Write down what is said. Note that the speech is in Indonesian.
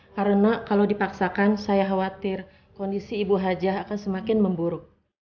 karena kalau dipaksakan saya khawatir kondisi ibu hajah akan semakin memburuk